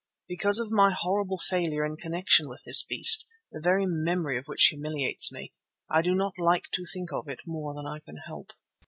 Because of my horrible failure in connection with this beast, the very memory of which humiliates me, I do not like to think of it more than I can help.